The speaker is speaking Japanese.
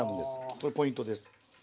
これポイントです。